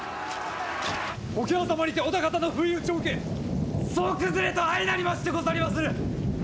桶狭間にて織田方の不意打ちを受け総崩れと相なりましてござりまする！